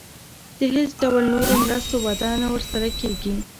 د هیڅ ډول نورو مرستو وعده نه ورسره کېږي.